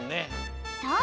そう。